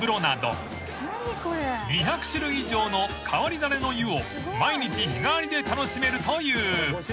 ［２００種類以上の変わり種の湯を毎日日替わりで楽しめるという］